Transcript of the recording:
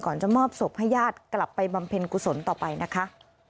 จะมอบศพให้ญาติกลับไปบำเพ็ญกุศลต่อไปนะคะ